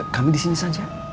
kami disini saja